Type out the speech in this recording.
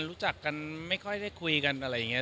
รู้จักกันไม่ค่อยได้คุยกันอะไรอย่างนี้